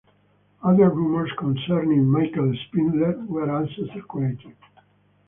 Other rumors concerning Michael Spindler were also circulating.